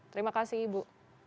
terima kasih ibu